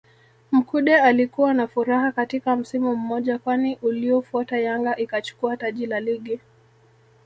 Mkude alikuwa na furaha katika msimu mmoja kwani uliofuata Yanga ikachukua taji la Ligi